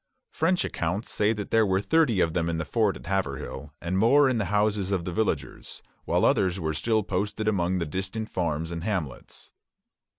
French accounts say that there were thirty of them in the fort at Haverhill, and more in the houses of the villagers; while others still were posted among the distant farms and hamlets.